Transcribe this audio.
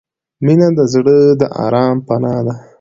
• مینه د زړه د آرام پناه ده.